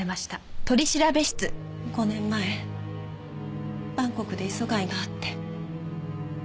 ５年前バンコクで磯貝と会って。